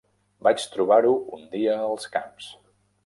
Vaig trobar-ho un dia als camps.